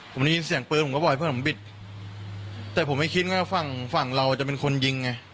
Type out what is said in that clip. ผมได้ยินเสียงปืนผมก็บอกให้เพื่อนผมบิดแต่ผมไม่คิดว่าฝั่งฝั่งเราจะเป็นคนยิงไง